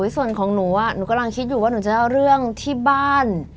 ส่วนของหนูหนูกำลังคิดอยู่ว่าหนูจะเอาเรื่องที่บ้าน